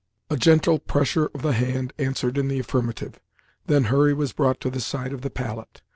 A gentle pressure of the hand answered in the affirmative. Then Hurry was brought to the side of the pallet.